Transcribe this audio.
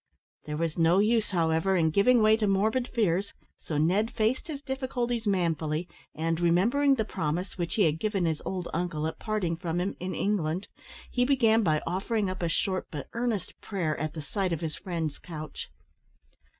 There was no use, however, in giving way to morbid fears, so Ned faced his difficulties manfully, and, remembering the promise which he had given his old uncle at parting from him in England, he began by offering up a short but earnest prayer at the side of his friend's couch.